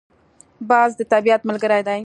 باز د طبیعت ملګری دی